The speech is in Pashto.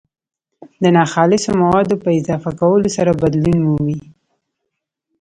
د ناخالصو مادو په اضافه کولو سره بدلون مومي.